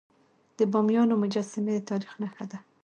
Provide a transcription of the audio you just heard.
د بامیانو مجسمي د تاریخ نښه ده.